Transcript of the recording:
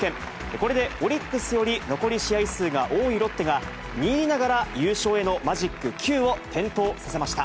これでオリックスより残り試合数が多いロッテが、２位ながら優勝へのマジック９を点灯させました。